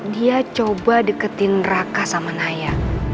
dia coba deketin raka sama naya